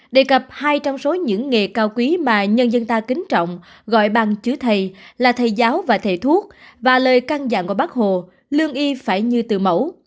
đề cập hai trong số những nghề cao quý mà nhân dân ta kính trọng gọi bằng chứa thầy là thầy giáo và thầy thuốc và lời căng dặn của bác hồ lương y phải như từ mẫu